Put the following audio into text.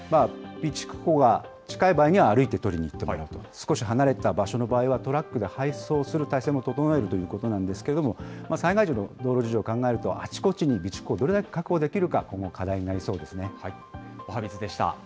備蓄庫が近い場合には、歩いて取りに行ってもらうと、少し離れた場所の場合は、トラックで配送する体制も整えるということなんですけれども、災害時の道路事情を考えると、あちこちに備蓄庫をどれだけ確保できるか、今後課題におはＢｉｚでした。